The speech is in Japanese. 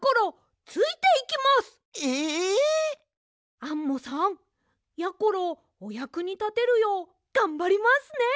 アンモさんやころおやくにたてるようがんばりますね！